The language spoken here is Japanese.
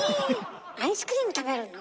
アイスクリーム食べるの？